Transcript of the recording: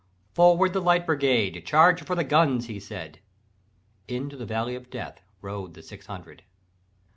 'Forward, the Light Brigade! Charge for the guns!' he said: Into the valley of Death Rode the six hundred.